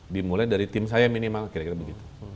dimulai dari tim saya minimal